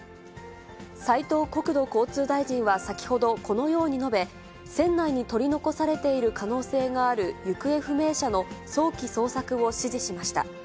斉藤国土交通大臣は先ほどこのように述べ、船内に取り残されている可能性がある行方不明者の早期捜索を指示しました。